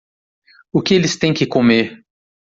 O que eles têm que comer?